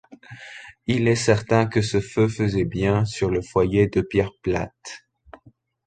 Il est certain que ce feu faisait bien sur le foyer de pierres plates.